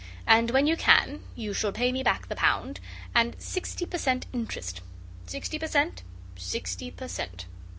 And, when you can, you shall pay me back the pound, and sixty per cent interest sixty per cent, sixty per cent.